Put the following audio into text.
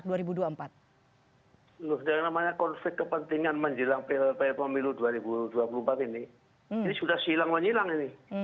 konflik kepentingan menjelang pemilu dua ribu dua puluh empat ini sudah silang silang ini